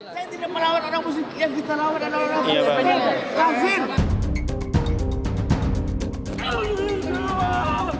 saya tidak melawan anak musik yang kita lawan anak anak musik yang banyak